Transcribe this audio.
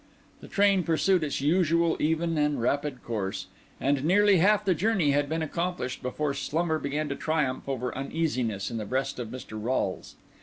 The train pursued its usual even and rapid course; and nearly half the journey had been accomplished before slumber began to triumph over uneasiness in the breast of Mr. Rolles.